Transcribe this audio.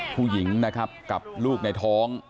ผู้หญิงนะครับกับลูกในท้อง